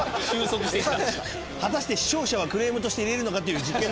果たして視聴者はクレームとして入れるのかっていう実験。